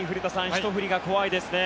ひと振りが怖いですね。